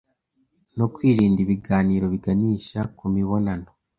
no kwirinda ibiganiro biganisha ku mibonano